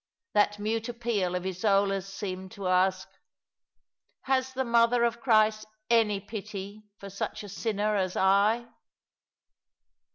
That mute appeal of Isola's seemed to ask, " Has the Mother of Christ any pity for such a sinner as I?"